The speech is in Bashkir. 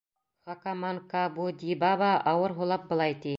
Хакаманкабудибаба, ауыр һулап, былай ти: